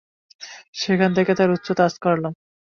সেখান থেকে তার উচ্চতা আঁচ করলাম।